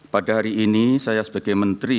pada hari ini saya sebagai menteri